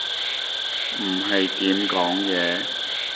唔係點講嘢